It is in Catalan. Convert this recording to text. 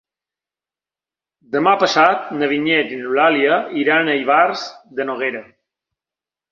Demà passat na Vinyet i n'Eulàlia iran a Ivars de Noguera.